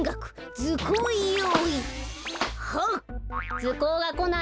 ずこうこない？